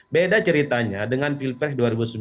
beda ceritanya dengan pilpres dua ribu sembilan belas